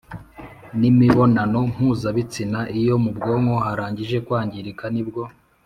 n’imibonano mpuzabitsina. Iyo mu bwonko harangije kwangirika nibwo